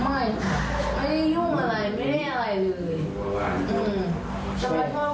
ไม่ได้ยุ่งอะไรไม่ได้อะไรอื่น